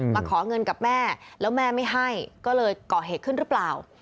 มาขอเงินกับแม่แล้วแม่ไม่ให้ก็เลยก่อเหตุขึ้นหรือเปล่า